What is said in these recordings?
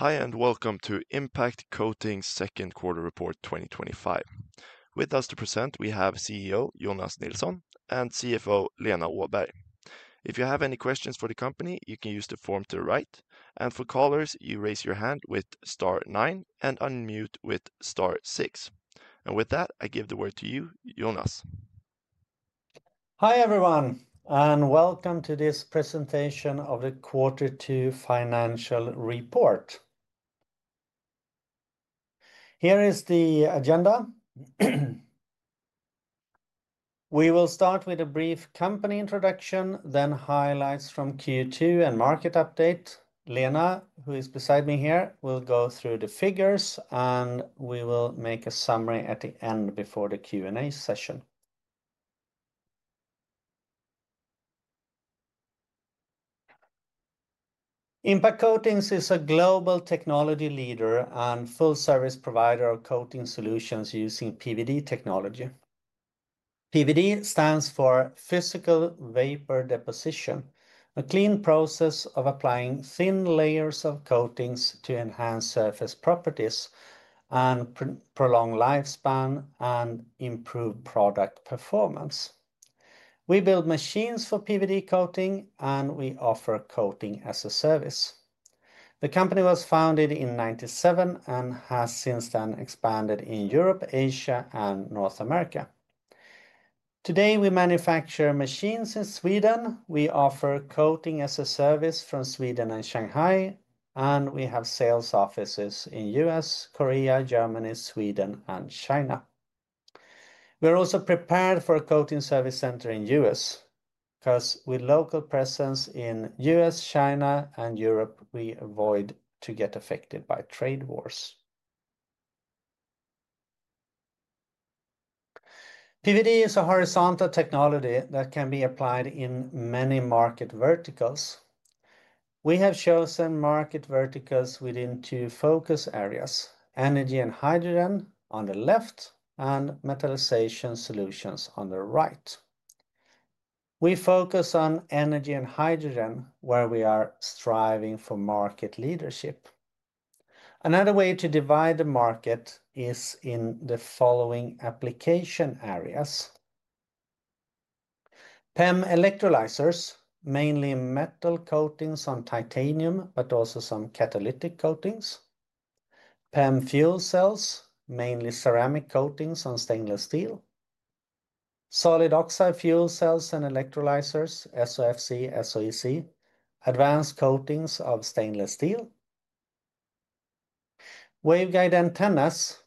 Hi, and welcome to Impact Coatings' Second Quarter Report 2025. With us to present, we have CEO Jonas Nilsson and CFO Lena Åberg. If you have any questions for the company, you can use the form to the right. For callers, you raise your hand with star nine and unmute with star six. With that, I give the word to you, Jonas. Hi, everyone, and welcome to this Presentation of the Quarter 2 Financial Report. Here is the agenda. We will start with a brief company introduction, then highlights from Q2 and market update. Lena, who is beside me here, will go through the figures, and we will make a summary at the end before the Q&A session. Impact Coatings is a global technology leader and full-service provider of coating solutions using PVD technology. PVD stands for Physical Vapor Deposition, a clean process of applying thin layers of coatings to enhance surface properties, prolong lifespan, and improve product performance. We build machines for PVD coating, and we offer coating as a service. The company was founded in 1997 and has since then expanded in Europe, Asia, and North America. Today, we manufacture machines in Sweden. We offer coating as a service from Sweden and Shanghai, and we have sales offices in the U.S., Korea, Germany, Sweden, and China. We are also prepared for a coating service center in the U.S. because with local presence in the U.S., China, and Europe, we avoid getting affected by trade wars. PVD is a horizontal technology that can be applied in many market verticals. We have chosen market verticals within two focus areas: energy and hydrogen on the left, and metallisation solutions on the right. We focus on energy and hydrogen, where we are striving for market leadership. Another way to divide the market is in the following application areas: PEM electrolysers, mainly metal coatings on titanium, but also some catalytic coatings; PEM fuel cells, mainly ceramic coatings on stainless steel; solid oxide fuel cells and electrolysers, SOFC, SOEC; advanced coatings of stainless steel; waveguide antennas,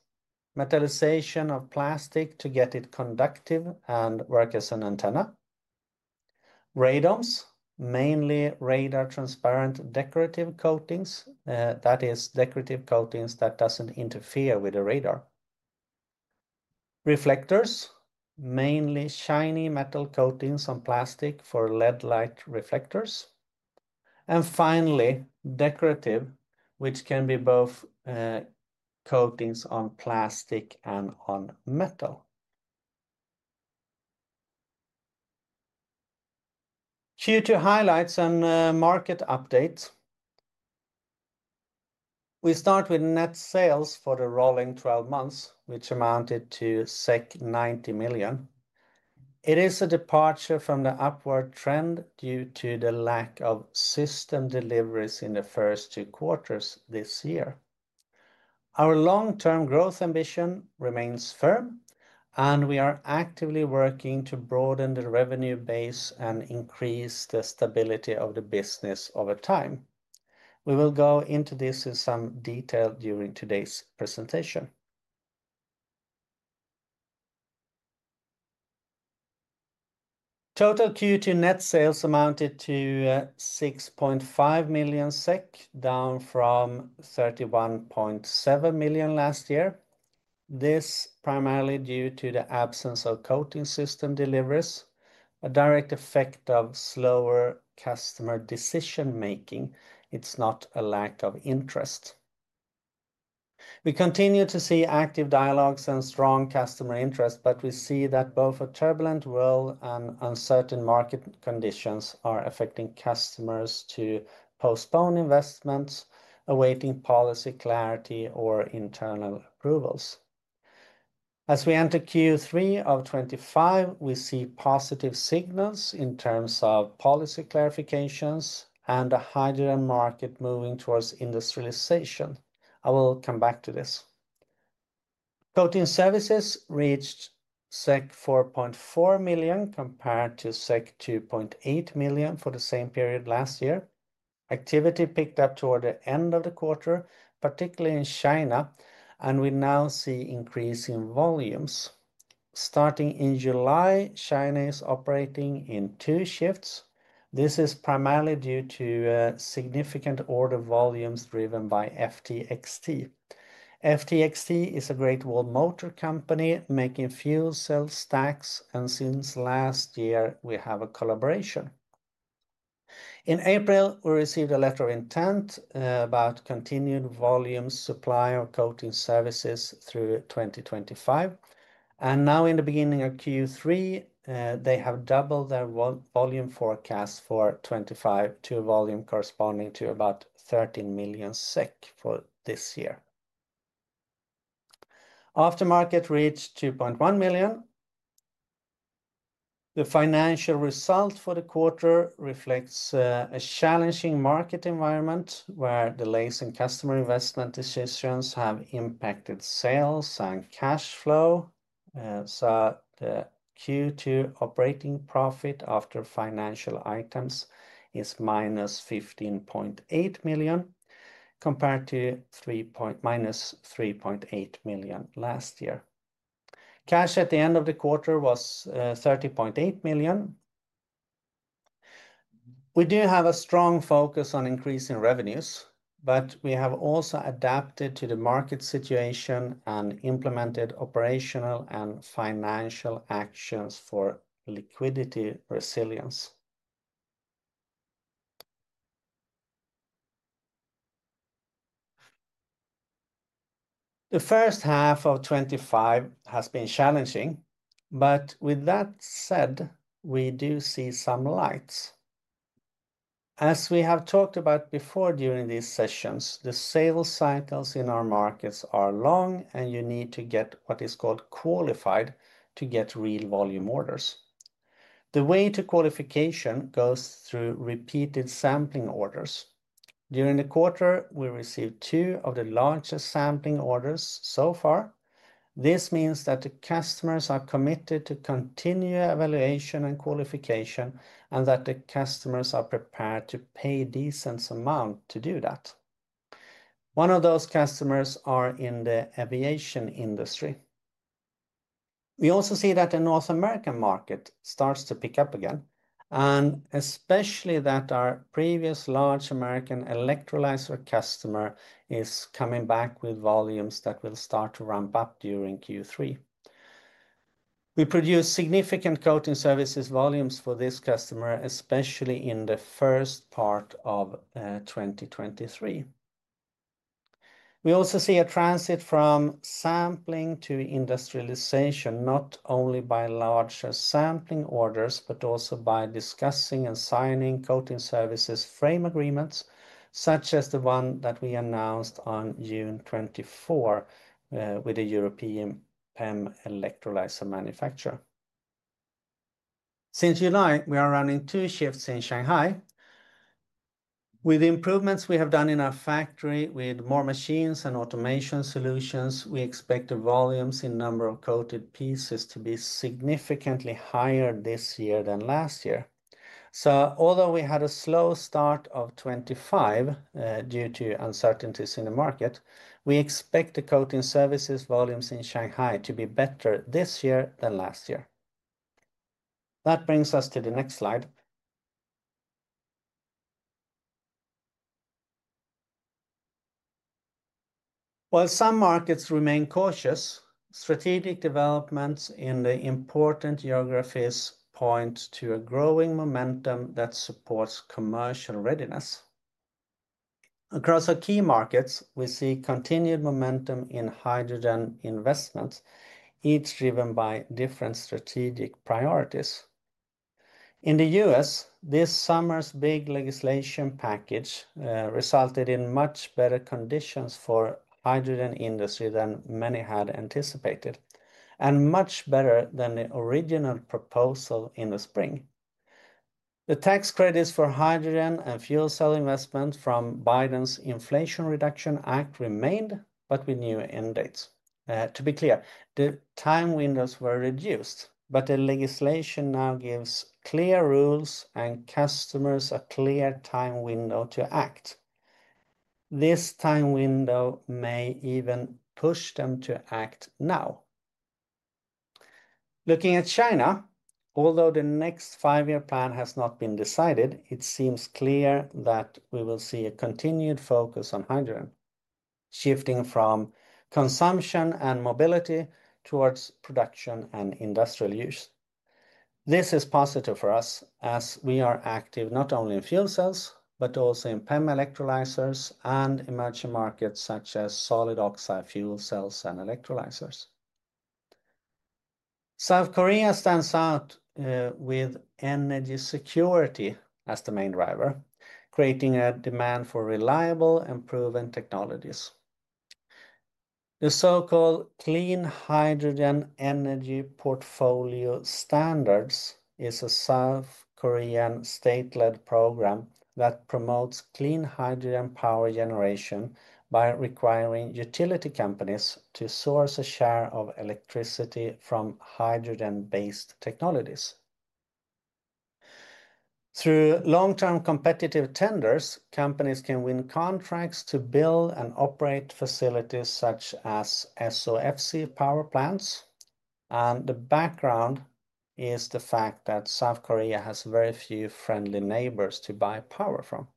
metallisation of plastic to get it conductive and work as an antenna; radomes, mainly radar transparent decorative coatings, that is, decorative coatings that do not interfere with the radar; reflectors, mainly shiny metal coatings on plastic for LED light reflectors; and finally, decorative, which can be both coatings on plastic and on metal. Q2 highlights and market updates. We start with net sales for the rolling 12 months, which amounted to 90 million. It is a departure from the upward trend due to the lack of system deliveries in the first two quarters this year. Our long-term growth ambition remains firm, and we are actively working to broaden the revenue base and increase the stability of the business over time. We will go into this in some detail during today's presentation. Total Q2 net sales amounted to 6.5 million SEK, down from 31.7 million last year. This is primarily due to the absence of coating system deliveries, a direct effect of slower customer decision-making. It is not a lack of interest. We continue to see active dialogues and strong customer interest, but we see that both a turbulent world and uncertain market conditions are affecting customers to postpone investments, awaiting policy clarity or internal approvals. As we enter Q3 of 2025, we see positive signals in terms of policy clarifications and the hydrogen market moving towards industrialization. I will come back to this. Coating services reached 4.4 million compared to 2.8 million for the same period last year. Activity picked up toward the end of the quarter, particularly in China, and we now see increasing volumes. Starting in July, China is operating in two shifts. This is primarily due to significant order volumes driven by FTXT. FTXT is a Great Wall Motor company making fuel cell stacks, and since last year, we have a collaboration. In April, we received a letter of intent about continued volume supply of coating services through 2025. Now, in the beginning of Q3, they have doubled their volume forecast for 2025, to a volume corresponding to about 13 million SEK for this year. Aftermarket sales reached 2.1 million. The financial result for the quarter reflects a challenging market environment where delays in customer investment decisions have impacted sales and cash flow. The Q2 operating profit after financial items is -15.8 million compared to -3.8 million last year. Cash at the end of the quarter was 30.8 million. We do have a strong focus on increasing revenues, but we have also adapted to the market situation and implemented operational and financial actions for liquidity resilience. The first half of 2025 has been challenging, but with that said, we do see some lights. As we have talked about before during these sessions, the sales cycles in our markets are long, and you need to get what is called qualified to get real volume orders. The way to qualification goes through repeated sampling orders. During the quarter, we received two of the largest sampling orders so far. This means that the customers are committed to continued evaluation and qualification, and that the customers are prepared to pay a decent amount to do that. One of those customers are in the aviation industry. We also see that the North American market starts to pick up again, and especially that our previous large American electrolyser customer is coming back with volumes that will start to ramp up during Q3. We produce significant coating services volumes for this customer, especially in the first part of 2023. We also see a transit from sampling to industrialization, not only by larger sampling orders, but also by discussing and signing coating services frame agreements, such as the one that we announced in June 2024 with a European PEM electrolyser manufacturer. Since July, we are running two shifts in Shanghai. With improvements we have done in our factory, with more machines and automation solutions, we expect the volumes in the number of coated pieces to be significantly higher this year than last year. Although we had a slow start of 2025 due to uncertainties in the market, we expect the coating services volumes in Shanghai to be better this year than last year. That brings us to the next slide. While some markets remain cautious, strategic developments in the important geographies point to a growing momentum that supports commercial readiness. Across our key markets, we see continued momentum in hydrogen investments, each driven by different strategic priorities. In the U.S., this summer's big legislation package resulted in much better conditions for the hydrogen industry than many had anticipated, and much better than the original proposal in the spring. The tax credits for hydrogen and fuel cell investments from Biden's Inflation Reduction Act remained, but with new end dates. To be clear, the time windows were reduced, but the legislation now gives clear rules and customers a clear time window to act. This time window may even push them to act now. Looking at China, although the next five-year plan has not been decided, it seems clear that we will see a continued focus on hydrogen, shifting from consumption and mobility towards production and industrial use. This is positive for us, as we are active not only in fuel cells, but also in PEM electrolysers and emerging markets such as solid oxide fuel cells and electrolysers. South Korea stands out with energy security as the main driver, creating a demand for reliable and proven technologies. The so-called Clean Hydrogen Energy Portfolio Standards is a South Korean state-led program that promotes clean hydrogen power generation by requiring utility companies to source a share of electricity from hydrogen-based technologies. Through long-term competitive tenders, companies can win contracts to build and operate facilities such as SOFC power plants. The background is the fact that South Korea has very few friendly neighbors to buy power from.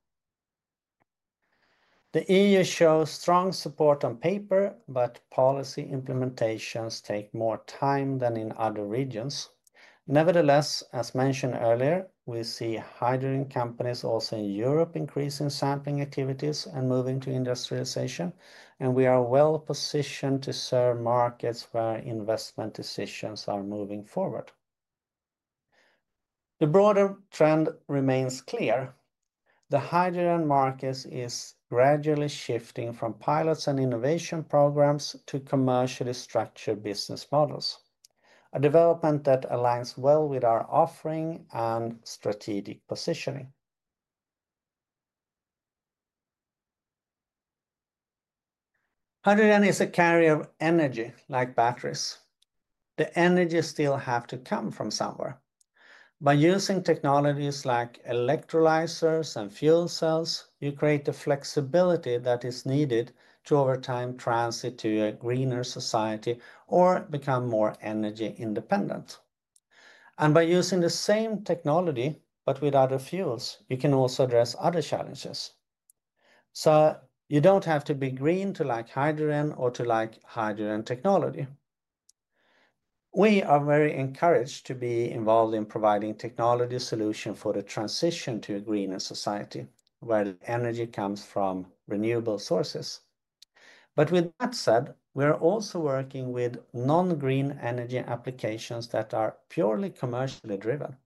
The EU shows strong support on paper, but policy implementations take more time than in other regions. Nevertheless, as mentioned earlier, we see hydrogen companies also in Europe increasing sampling activities and moving to industrialization, and we are well positioned to serve markets where investment decisions are moving forward. The broader trend remains clear. The hydrogen market is gradually shifting from pilots and innovation programs to commercially structured business models, a development that aligns well with our offering and strategic positioning. Hydrogen is a carrier of energy, like batteries. The energy still has to come from somewhere. By using technologies like electrolysers and fuel cells, you create the flexibility that is needed to, over time, transit to a greener society or become more energy independent. By using the same technology, but with other fuels, you can also address other challenges. You don't have to be green to like hydrogen or to like hydrogen technology. We are very encouraged to be involved in providing technology solutions for the transition to a greener society where energy comes from renewable sources. With that said, we are also working with non-green energy applications that are purely commercially driven.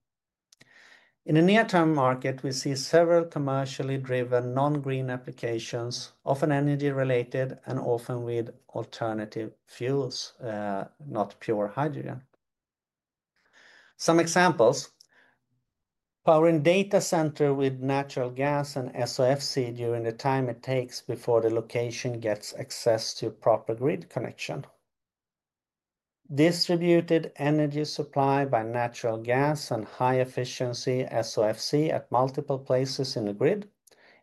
In the near-term market, we see several commercially driven non-green applications, often energy-related and often with alternative fuels, not pure hydrogen. Some examples: powering data centers with natural gas and SOFC during the time it takes before the location gets access to a proper grid connection, distributed energy supply by natural gas and high-efficiency SOFC at multiple places in the grid,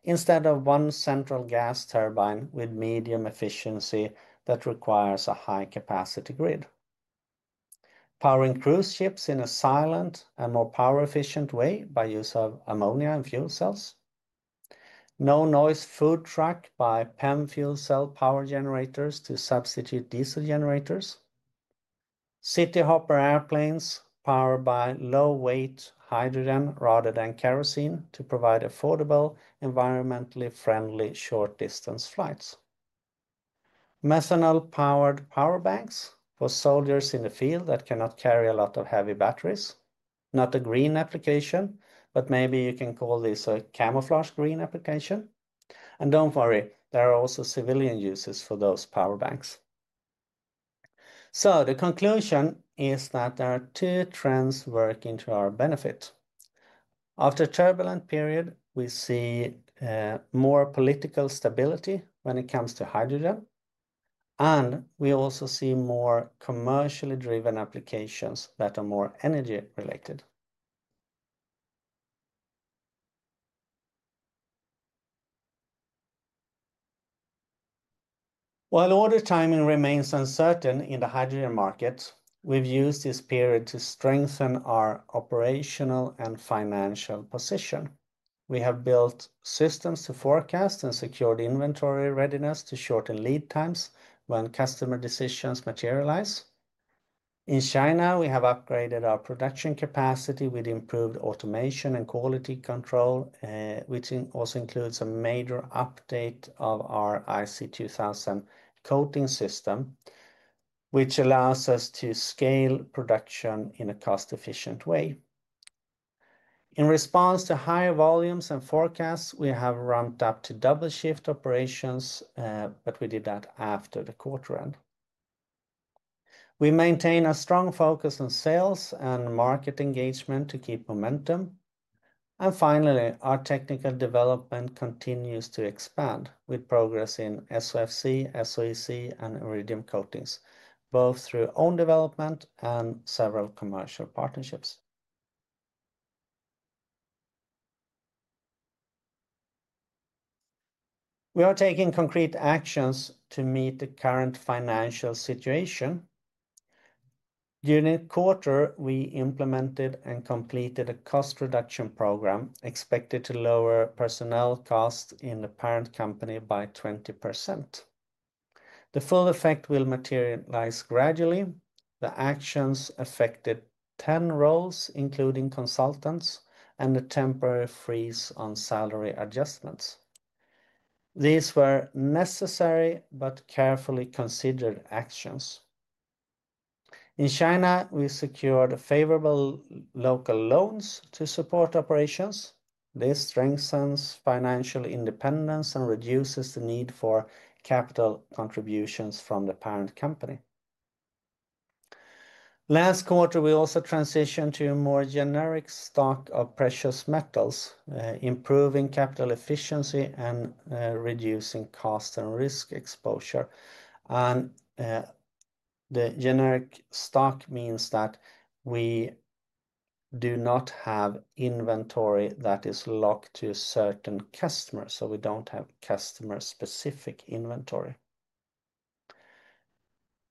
instead of one central gas turbine with medium efficiency that requires a high-capacity grid, powering cruise ships in a silent and more power-efficient way by use of ammonia and fuel cells, no-noise food truck by PEM fuel cell power generators to substitute diesel generators, city hopper airplanes powered by low-weight hydrogen rather than kerosene to provide affordable, environmentally friendly short-distance flights, methanol-powered power banks for soldiers in the field that cannot carry a lot of heavy batteries. Not a green application, but maybe you can call this a camouflage green application. Don't worry, there are also civilian uses for those power banks. The conclusion is that there are two trends working to our benefit. After a turbulent period, we see more political stability when it comes to hydrogen, and we also see more commercially driven applications that are more energy related. While order timing remains uncertain in the hydrogen market, we've used this period to strengthen our operational and financial position. We have built systems to forecast and secure the inventory readiness to shorten lead times when customer decisions materialize. In China, we have upgraded our production capacity with improved automation and quality control, which also includes a major update of our IC2000 coating system, which allows us to scale production in a cost-efficient way. In response to higher volumes and forecasts, we have ramped up to double-shift operations, but we did that after the quarter end. We maintain a strong focus on sales and market engagement to keep momentum. Finally, our technical development continues to expand with progress in SOFC, SOEC, and iridium coatings, both through own development and several commercial partnerships. We are taking concrete actions to meet the current financial situation. During the quarter, we implemented and completed a cost reduction program expected to lower personnel costs in the parent company by 20%. The full effect will materialize gradually. The actions affected 10 roles, including consultants, and a temporary freeze on salary adjustments. These were necessary but carefully considered actions. In China, we secured favorable local loans to support operations. This strengthens financial independence and reduces the need for capital contributions from the parent company. Last quarter, we also transitioned to a more generic stock of precious metals, improving capital efficiency and reducing cost and risk exposure. The generic stock means that we do not have inventory that is locked to certain customers, so we don't have customer-specific inventory.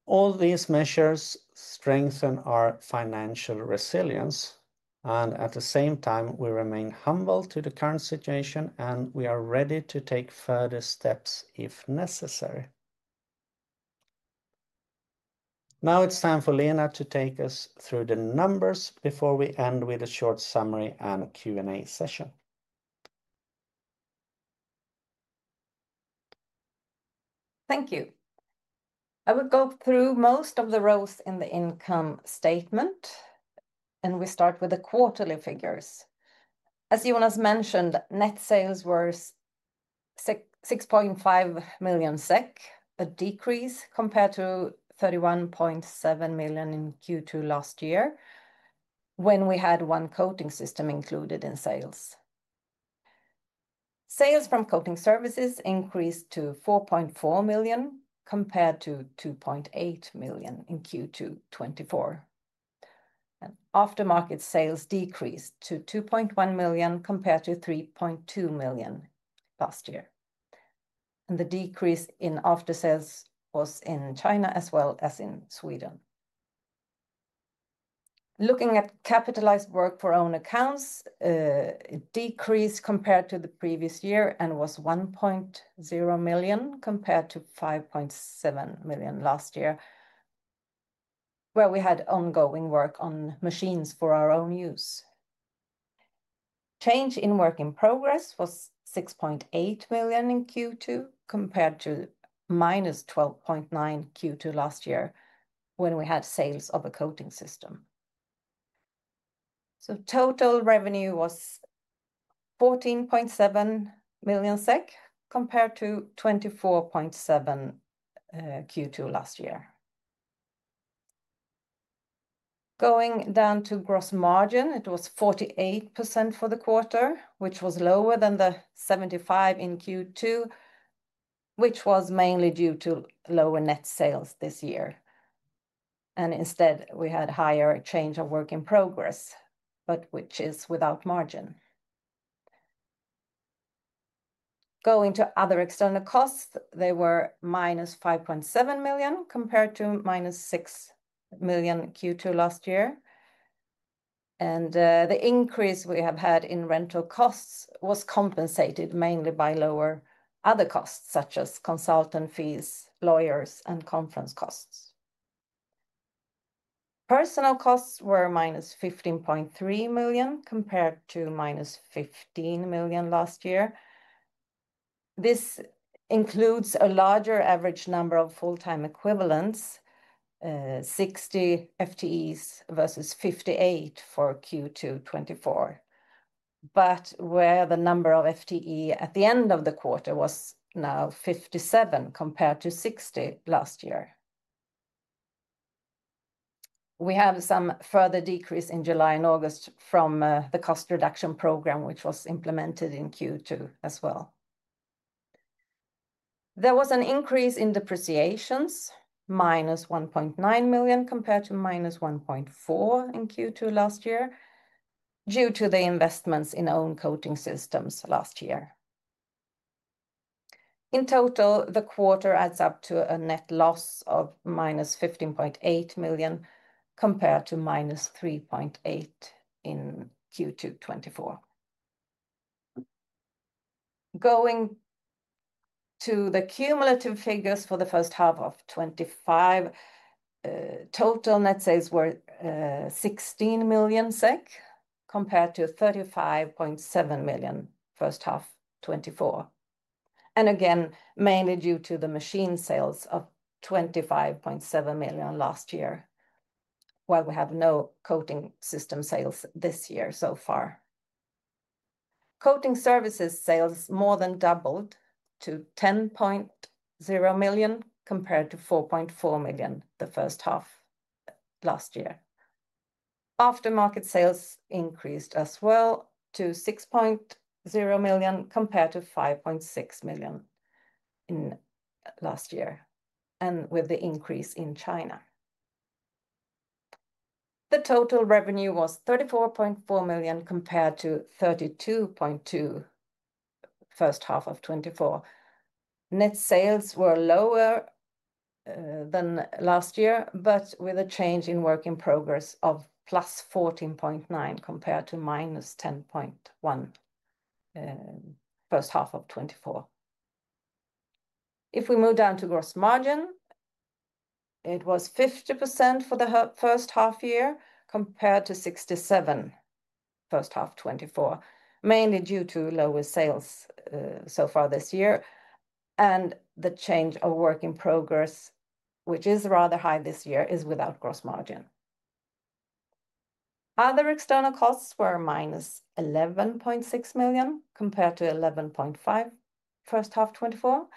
All these measures strengthen our financial resilience, and at the same time, we remain humble to the current situation, and we are ready to take further steps if necessary. Now it's time for Lena to take us through the numbers before we end with a short summary and Q&A session. Thank you. I will go through most of the rows in the income statement, and we start with the quarterly figures. As Jonas mentioned, net sales were 6.5 million SEK, a decrease compared to 31.7 million in Q2 last year when we had one coating system included in sales. Sales from coating services increased to 4.4 million compared to 2.8 million in Q2 2024. Aftermarket sales decreased to 2.1 million compared to 3.2 million last year. The decrease in after-sales was in China as well as in Sweden. Looking at capitalised work for own accounts, it decreased compared to the previous year and was 1.0 million compared to 5.7 million last year, where we had ongoing work on machines for our own use. Change in work in progress was 6.8 million in Q2 compared to -12.9 million in Q2 last year when we had sales of a coating system. Total revenue was 14.7 million SEK compared to 24.7 million in Q2 last year. Going down to gross margin, it was 48% for the quarter, which was lower than the 75% in Q2, mainly due to lower net sales this year. Instead, we had higher change of work in progress, which is without margin. Going to other external costs, they were -5.7 million compared to -6 million in Q2 last year. The increase we have had in rental costs was compensated mainly by lower other costs, such as consultant fees, lawyers, and conference costs. Personnel costs were -15.3 million compared to -15 million last year. This includes a larger average number of full-time equivalents, 60 FTEs versus 58 FTEs for Q2 2024, but the number of FTEs at the end of the quarter was now 57 FTEs compared to 60 FTEs last year. We have some further decrease in July and August from the cost reduction program, which was implemented in Q2 as well. There was an increase in depreciations, -1.9 million compared to -1.4 million in Q2 last year, due to the investments in own coating systems last year. In total, the quarter adds up to a net loss of -15.8 million compared to -3.8 million in Q2 2024. Going to the cumulative figures for the first half of 2025, total net sales were 16 million SEK compared to 35.7 million first half 2024, mainly due to the machine sales of 25.7 million last year, while we have no coating system sales this year so far. Coating services sales more than doubled to 10.0 million compared to 4.4 million the first half last year. Aftermarket sales increased as well to 6.0 million compared to 5.6 million last year, with the increase in China. The total revenue was 34.4 million compared to 32.2 million first half of 2024. Net sales were lower than last year, but with a change in work in progress of +14.9 million compared to -10.1 million first half of 2024. If we move down to gross margin, it was 50% for the first half year compared to 67% first half 2024, mainly due to lower sales so far this year. The change of work in progress, which is rather high this year, is without gross margin. Other external costs were -11.6 million compared to 11.5 million first half 2024.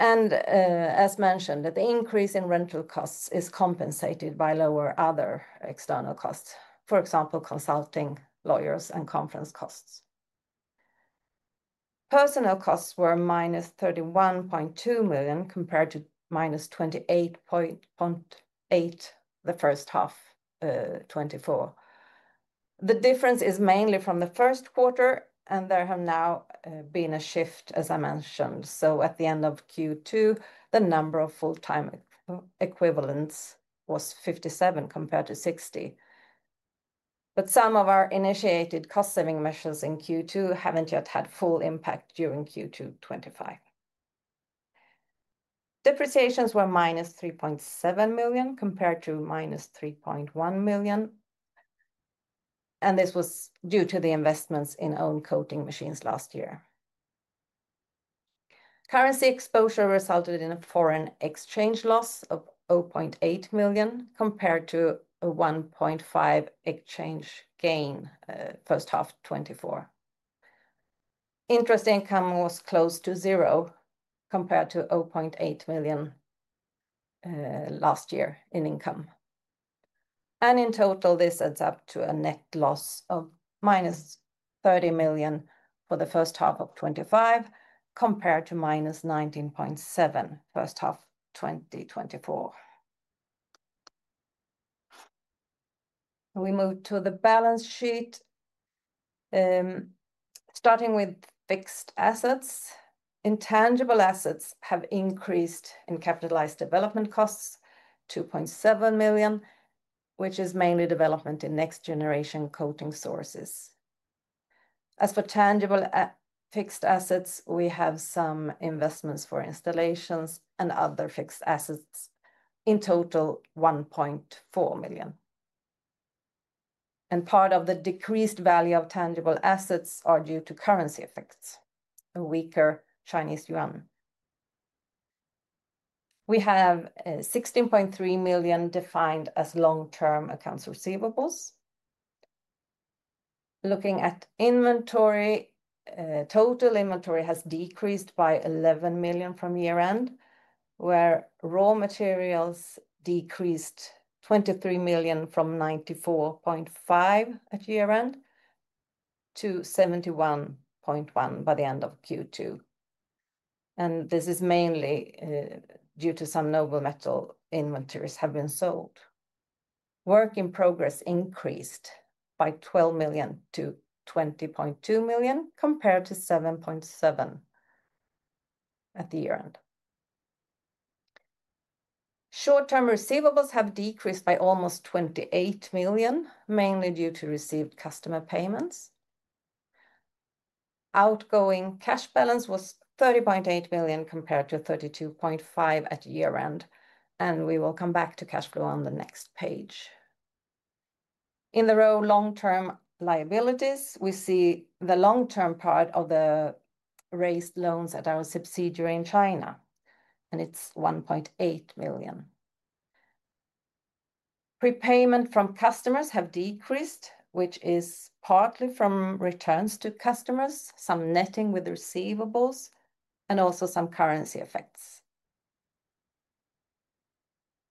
The increase in rental costs is compensated by lower other external costs, for example, consulting, lawyers, and conference costs. Personnel costs were -31.2 million compared to -28.8 million the first half of 2024. The difference is mainly from the first quarter, and there has now been a shift, as I mentioned. At the end of Q2, the number of full-time equivalents was 57 compared to 60. Some of our initiated cost-saving measures in Q2 haven't yet had full impact during Q2 2025. Depreciations were -3.7 million compared to -3.1 million. This was due to the investments in own coating machines last year. Currency exposure resulted in a foreign exchange loss of 0.8 million compared to a 1.5 million exchange gain first half 2024. Interest income was close to zero compared to 0.8 million last year in income. In total, this adds up to a net loss of -30 million for the first half of 2025 compared to -19.7 million first half 2024. We move to the balance sheet. Starting with fixed assets, intangible assets have increased in capitalised development costs, 2.7 million, which is mainly development in next-generation coating sources. As for tangible fixed assets, we have some investments for installations and other fixed assets. In total, 1.4 million. Part of the decreased value of tangible assets is due to currency effects, a weaker Chinese yuan. We have 16.3 million defined as long-term accounts receivables. Looking at inventory, total inventory has decreased by 11 million from year-end, where raw materials decreased SEK 23 million from SEK 94.5 million at year-end to SEK 71.1 million by the end of Q2. This is mainly due to some noble metal inventories having been sold. Work in progress increased by 12 million to 20.2 million compared to 7.7 million at the year-end. Short-term receivables have decreased by almost 28 million, mainly due to received customer payments. Outgoing cash balance was 30.8 million compared to 32.5 million at year-end. We will come back to cash flow on the next page. In the row, long-term liabilities, we see the long-term part of the raised loans at our subsidiary in China, and it's 1.8 million. Prepayment from customers has decreased, which is partly from returns to customers, some netting with receivables, and also some currency effects.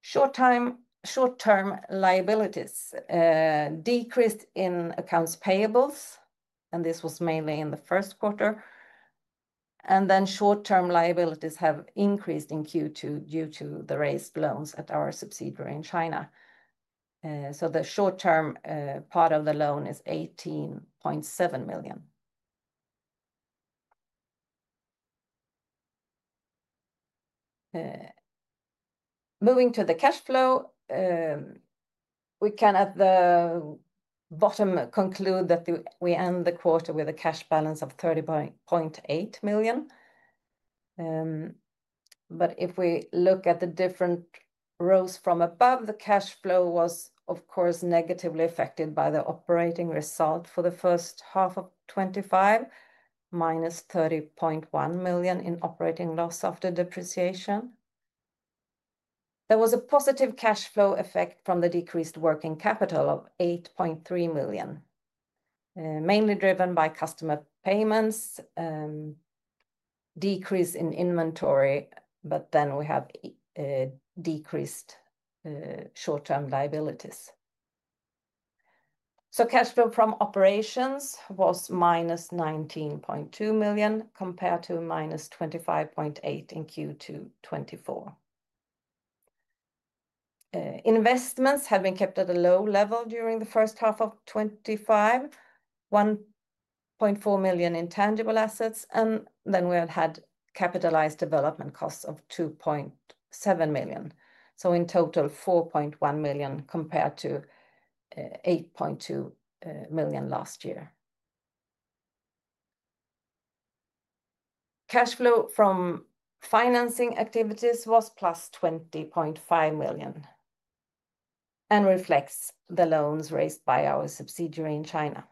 Short-term liabilities decreased in accounts payables, and this was mainly in the first quarter. Short-term liabilities have increased in Q2 due to the raised loans at our subsidiary in China. The short-term part of the loan is 18.7 million. Moving to the cash flow, we can at the bottom conclude that we end the quarter with a cash balance of 30.8 million. If we look at the different rows from above, the cash flow was, of course, negatively affected by the operating result for the first half of 2025, -30.1 million in operating loss after depreciation. There was a positive cash flow effect from the decreased working capital of 8.3 million, mainly driven by customer payments, decrease in inventory, but then we have decreased short-term liabilities. Cash flow from operations was -19.2 million compared to -25.8 million in Q2 2024. Investments have been kept at a low level during the first half of 2025, 1.4 million in tangible assets, and then we had capitalised development costs of 2.7 million. In total, 4.1 million compared to 8.2 million last year. Cash flow from financing activities was +20.5 million and reflects the loans raised by our subsidiary in China.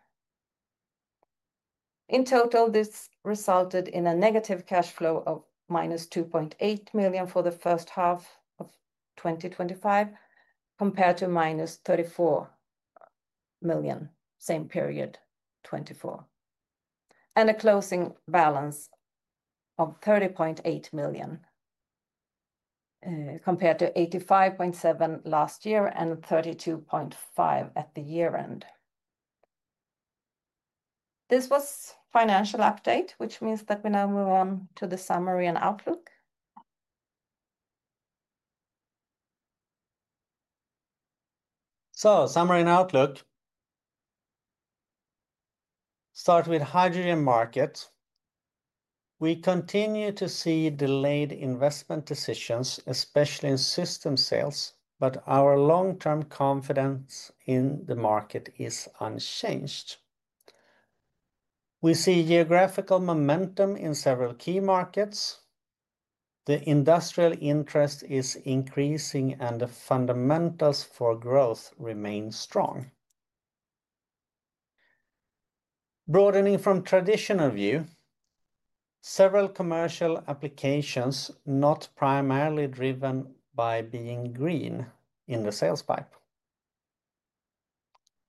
In total, this resulted in a negative cash flow of -2.8 million for the first half of 2025 compared to -34 million same period 2024. A closing balance of 30.8 million compared to 85.7 million last year and 32.5 million at the year-end. This was the financial update, which means that we now move on to the summary and outlook. Summary and outlook. Start with the hydrogen market. We continue to see delayed investment decisions, especially in system sales, but our long-term confidence in the market is unchanged. We see geographical momentum in several key markets. The industrial interest is increasing, and the fundamentals for growth remain strong. Broadening from a traditional view, several commercial applications are not primarily driven by being green in the sales pipe.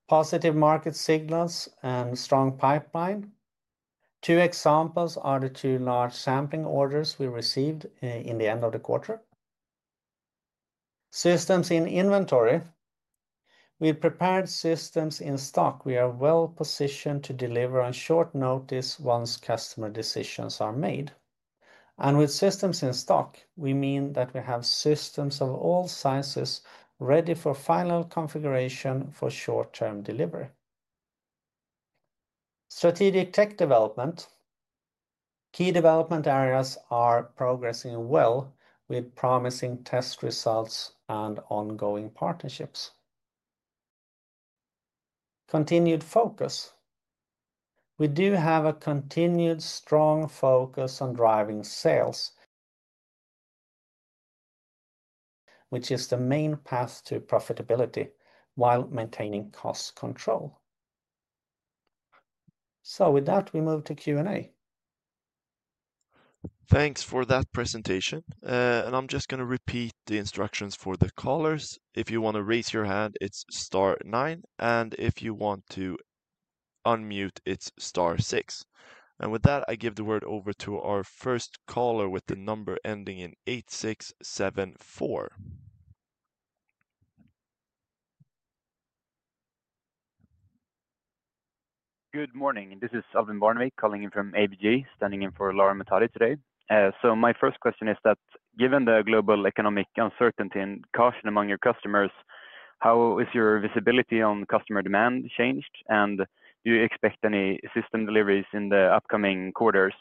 Positive market signals and strong pipeline. Two examples are the two large sampling orders we received in the end of the quarter. Systems in inventory. With prepared systems in stock, we are well positioned to deliver on short notice once customer decisions are made. With systems in stock, we mean that we have systems of all sizes ready for final configuration for short-term delivery. Strategic tech development. Key development areas are progressing well with promising test results and ongoing partnerships. Continued focus. We do have a continued strong focus on driving sales, which is the main path to profitability while maintaining cost control. With that, we move to Q&A. Thanks for that presentation. I'm just going to repeat the instructions for the callers. If you want to raise your hand, it's star nine. If you want to unmute, it's star six. With that, I give the word over to our first caller with the number ending in eight six seven four. Good morning. This is Alvin [Barnaby] calling in from [ABG], standing in for Laura [Matadi] today. My first question is that given the global economic uncertainty and caution among your customers, how has your visibility on customer demand changed, and do you expect any system deliveries in the upcoming quarters?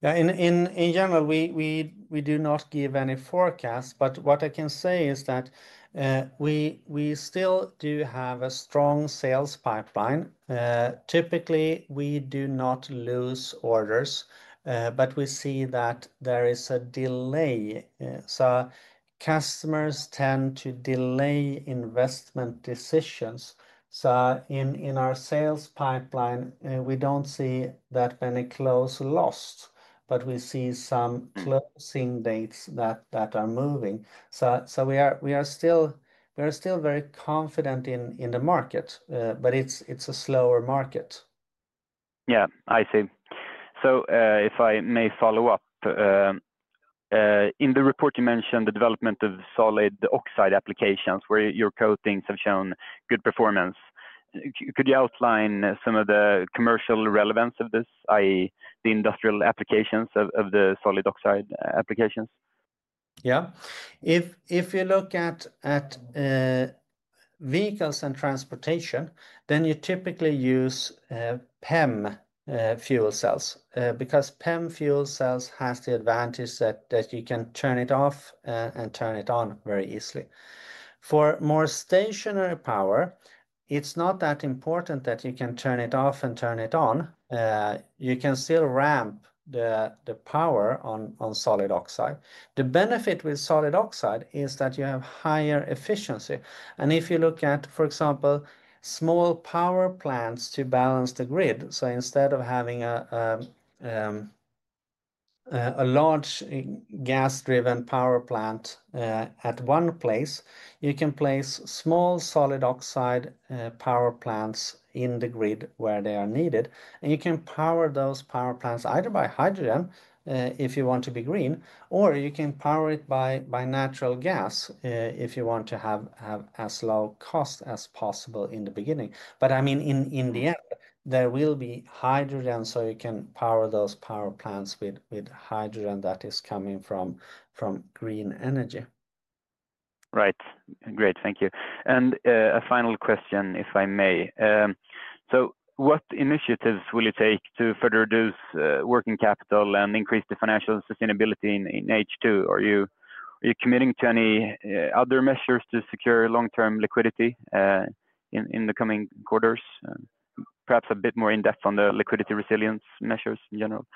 In general, we do not give any forecasts, but what I can say is that we still do have a strong sales pipeline. Typically, we do not lose orders, but we see that there is a delay. Customers tend to delay investment decisions. In our sales pipeline, we don't see that many close loss, but we see some closing dates that are moving. We are still very confident in the market, but it's a slower market. I see. If I may follow up, in the report, you mentioned the development of solid oxide applications where your coatings have shown good performance. Could you outline some of the commercial relevance of this, i.e., the industrial applications of the solid oxide applications? Yeah. If you look at vehicles and transportation, then you typically use PEM fuel cells because PEM fuel cells have the advantage that you can turn it off and turn it on very easily. For more stationary power, it's not that important that you can turn it off and turn it on. You can still ramp the power on solid oxide. The benefit with solid oxide is that you have higher efficiency. If you look at, for example, small power plants to balance the grid, instead of having a large gas-driven power plant at one place, you can place small solid oxide power plants in the grid where they are needed. You can power those power plants either by hydrogen, if you want to be green, or you can power it by natural gas if you want to have as low cost as possible in the beginning. I mean, in the end, there will be hydrogen, so you can power those power plants with hydrogen that is coming from green energy. Great, thank you. A final question, if I may. What initiatives will you take to further reduce working capital and increase the financial sustainability in H2? Are you committing to any other measures to secure long-term liquidity in the coming quarters? Perhaps a bit more in-depth on the liquidity resilience measures in general.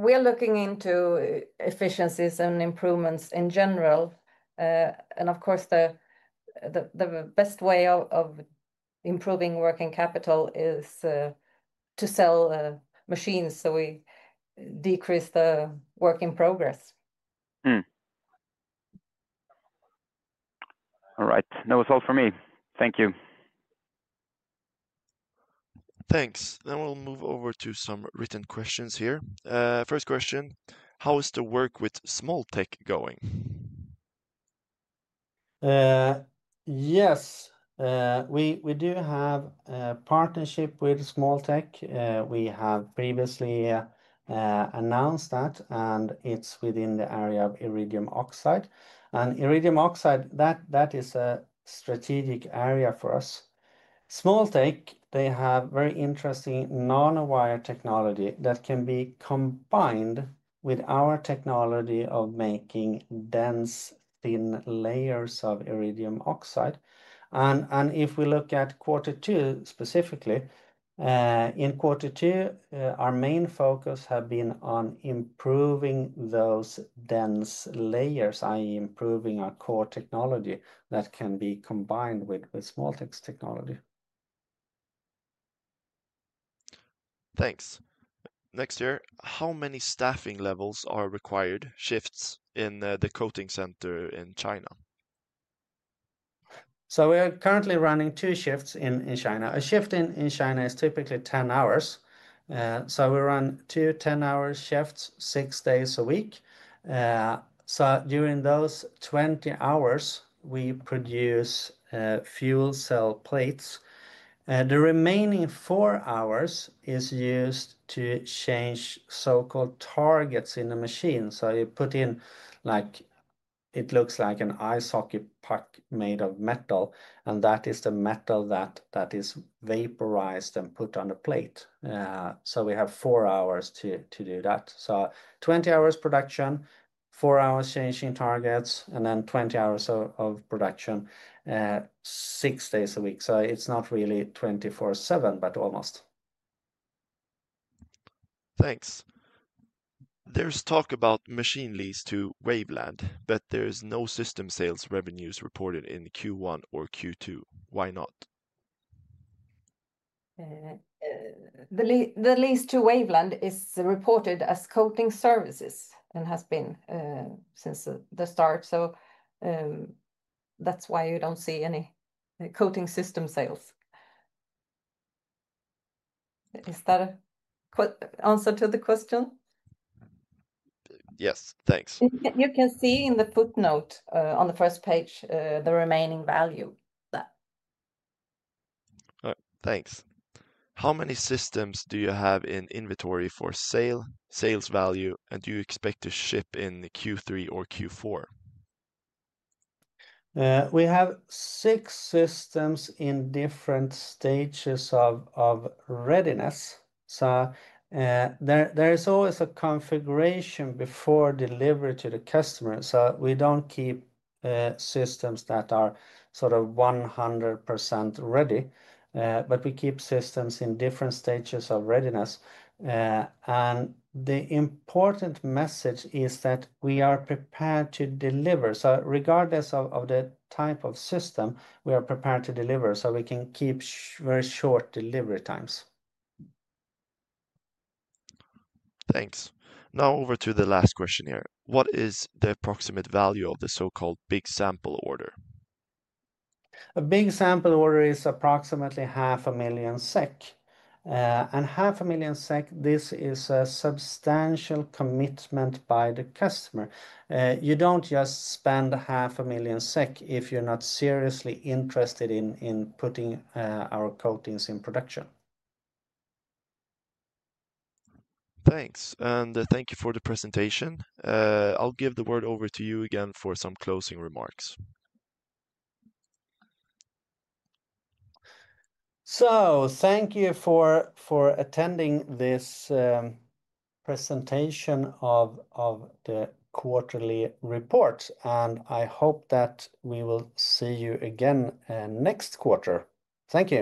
We are looking into efficiencies and improvements in general. Of course, the best way of improving working capital is to sell machines, so we decrease the work in progress. All right. That was all for me. Thank you. Thanks. We'll move over to some written questions here. First question, how is the work with Smoltek going? Yes, we do have a partnership with Smoltek. We have previously announced that, and it's within the area of iridium oxide. Iridium oxide is a strategic area for us. Smoltek has very interesting nanowire technology that can be combined with our technology of making dense, thin layers of iridium oxide. If we look at quarter two specifically, in quarter two, our main focus has been on improving those dense layers, i.e., improving our core technology that can be combined with Smoltek's technology. Thanks. Next, how many staffing levels are required shifts in the coating center in China? We are currently running two shifts in China. A shift in China is typically 10 hours. We run two 10-hour shifts six days a week. During those 20 hours, we produce fuel cell plates. The remaining four hours are used to change so-called targets in the machine. You put in what looks like an ice hockey puck made of metal, and that is the metal that is vaporized and put on a plate. We have four hours to do that. There are 20 hours production, four hours changing targets, and then 20 hours of production six days a week. It's not really 24/7, but almost. Thanks. There's talk about machine lease to Waveland, but there's no system sales revenues reported in Q1 or Q2. Why not? The lease to Waveland is reported as coating services and has been since the start. That's why you don't see any coating system sales. Is that an answer to the question? Yes, thanks. You can see in the footnote on the first page the remaining value. Thanks. How many systems do you have in inventory for sale, sales value, and do you expect to ship in Q3 or Q4? We have six systems in different stages of readiness. There is always a configuration before delivery to the customer. We don't keep systems that are 100% ready, but we keep systems in different stages of readiness. The important message is that we are prepared to deliver. Regardless of the type of system, we are prepared to deliver so we can keep very short delivery times. Thanks. Now over to the last question here. What is the approximate value of the so-called big sample order? A big sample order is approximately 0.5 million SEK. 0.5 million SEK is a substantial commitment by the customer. You don't just spend 0.5 million SEK if you're not seriously interested in putting our coatings in production. Thank you for the presentation. I'll give the word over to you again for some closing remarks. Thank you for attending this presentation of the quarterly report, and I hope that we will see you again next quarter. Thank you.